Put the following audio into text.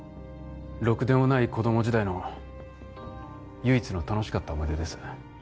ろくでもない子供時代の唯一の楽しかった思い出です。